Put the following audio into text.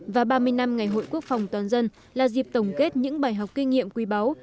và ba mươi năm ngày hội quốc phòng toàn dân là dịp tổng kết những bài học kinh nghiệm quý báu